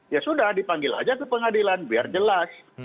ya sudah dipanggil aja ke pengadilan biar jelas